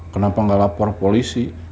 kenapa gak lapor polisi